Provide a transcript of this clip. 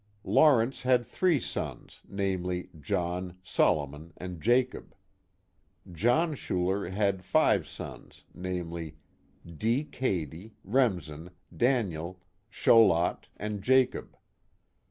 Lawrence had three sons, namely, John, Solomon, and Jacob. John Schuler had five sons, namely, D. Cady, Remsen, Daniel, Cholot, and Jacob.